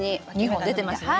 ２本出てますね。